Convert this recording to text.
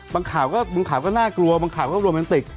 ข่าวก็บางข่าวก็น่ากลัวบางข่าวก็โรแมนติก